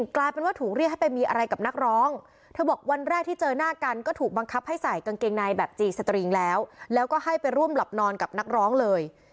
เกงในแบบจีสตริงแล้วแล้วก็ให้ไปร่วมหลับนอนกับนักร้องเลย